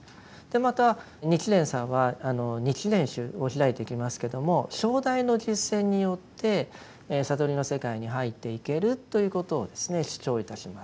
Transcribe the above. また日蓮さんは日蓮宗を開いていきますけれども唱題の実践によって悟りの世界に入っていけるということを主張いたします。